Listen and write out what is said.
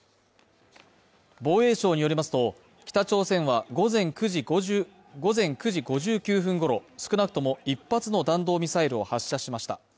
防衛省によりますと、北朝鮮は午前９時５９分ごろ少なくとも１発の弾道ミサイルを発射しました。